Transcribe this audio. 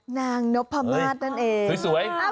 นางนพม่าดนั่นเอง